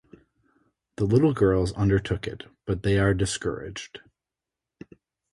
The little girls undertook it, but they are discouraged.